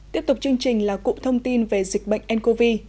tiếp tục chương trình là cụ thông tin về dịch bệnh ncov